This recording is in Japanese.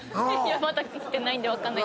まだしてないんで分かんない。